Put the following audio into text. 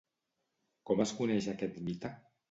Com es coneix aquest mite?